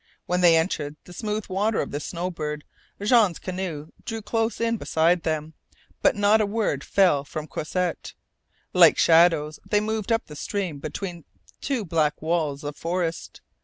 When they entered the smooth water of the Snowbird, Jean's canoe drew close in beside them, but not a word fell from Croisset. Like shadows they moved up the stream between two black walls of forest.